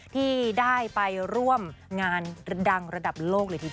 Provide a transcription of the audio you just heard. ที่ได้ไปร่วมงานดังระดับโลกเลยทีเดียว